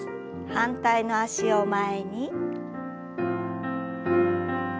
反対の脚を前に。